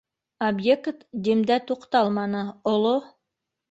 Объект Димдә туҡталманы, оло